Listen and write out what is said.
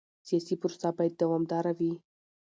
سیاسي پروسه باید دوامداره وي